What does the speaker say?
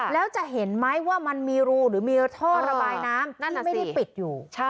แล้วจะเห็นไหมว่ามันมีรูหรือมีท่อระบายน้ำนั่นไม่ได้ปิดอยู่